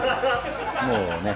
もうね。